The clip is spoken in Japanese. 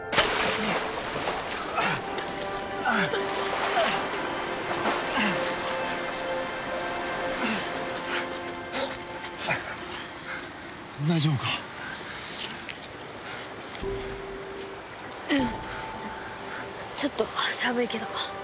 ちょっと寒いけど。